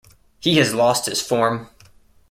He has lost his form.